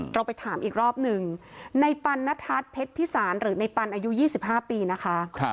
เราไปถามอีกรอบหนึ่งในปันนทัศน์เพชรพิสารหรือในปันอายุ๒๕ปีนะคะ